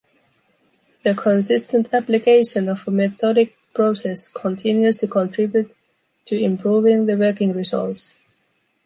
The consistent application of a methodic process continues to contribute to improving the working results.